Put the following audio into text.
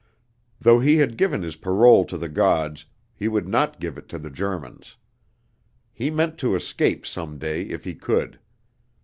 Though he had given his parole to the gods, he would not give it to the Germans. He meant to escape some day if he could.